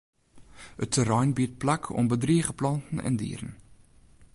It terrein biedt plak oan bedrige planten en dieren.